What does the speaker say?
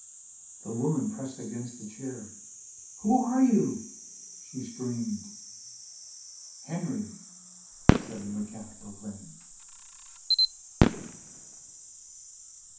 The woman pressed against her chair. "Who are you?" she screamed. "Henry," said the mechanical thing.